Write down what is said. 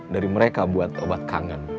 dari mereka buat obat kangen